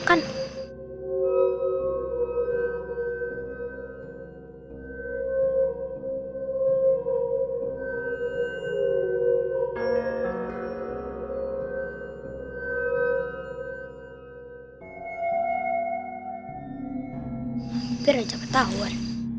hanya ada yang mencoba menawar